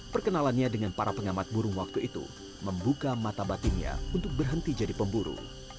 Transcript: perkenalannya dengan para pengamat burung waktu itu membuka mata batinnya untuk berhenti jadi pemburu